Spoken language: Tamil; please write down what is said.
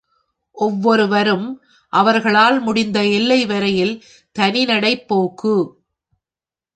ஒவ்வொருவ்ரும் அவர்களால் முடிந்த எல்லை வரையில் தனி நடைப்போக்கு.